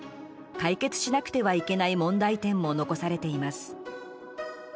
解決しなくてはいけない問題点も残されています。